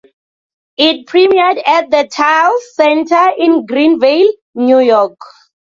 It premiered at The Tilles Center in Greenvale, New York.